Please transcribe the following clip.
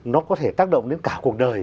nó có thể tác động đến cả cuộc đời